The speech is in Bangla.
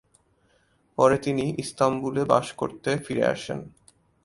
পরে তিনি ইস্তাম্বুলে বসবাস করতে ফিরে আসেন।